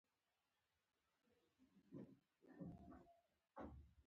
سلسله مراتبو نظام لوړ پوړو ته امتیاز ورکړ.